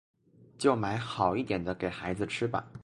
就买好一点的给孩子吃吧